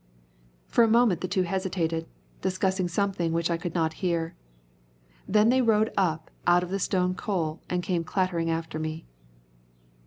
For a moment the two hesitated, discussing something which I could not hear. Then they rode up out of the Stone Coal and came clattering after me.